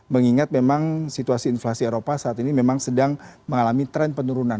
mengingat memang situasi inflasi eropa saat ini memang sedang mengalami tren penurunan